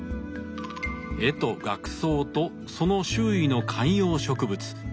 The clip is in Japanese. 絵と額装とその周囲の観葉植物。